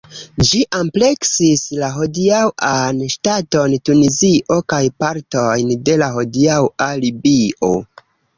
Ĝi ampleksis la hodiaŭan ŝtaton Tunizio kaj partojn de la hodiaŭa Libio.